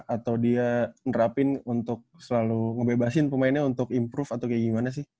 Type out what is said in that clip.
atau dia nerapin untuk selalu ngebebasin pemainnya untuk improve atau kayak gimana sih